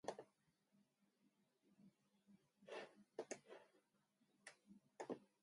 寝ながら、敷布、枕のカバー、掛け蒲団のカバーを、